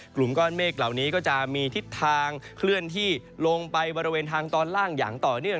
กลุ่มก้อนเมฆเหล่านี้ก็จะมีทิศทางเคลื่อนที่ลงไปบริเวณทางตอนล่างอย่างต่อเนื่อง